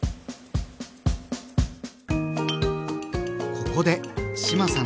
ここで志麻さん